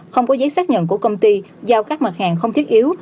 không có giấy xác nhận của công ty giao các mặt hàng không thiết yếu